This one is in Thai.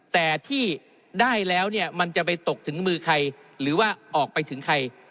แต่ที่ได้แล้วเนี่ยมันจะไปตกถึงมือใครหรือว่าออกไปถึงใคร